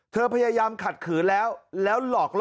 พยายามขัดขืนแล้วแล้วหลอกล่อ